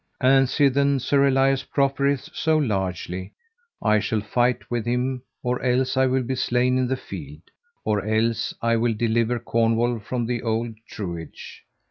And sithen Sir Elias proffereth so largely, I shall fight with him, or else I will be slain in the field, or else I will deliver Cornwall from the old truage.